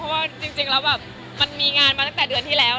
เพราะว่าจริงแล้วแบบมันมีงานมาตั้งแต่เดือนที่แล้ว